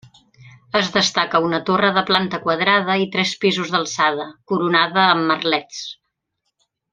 Es destaca una torre de planta quadrada i tres pisos d'alçada, coronada amb merlets.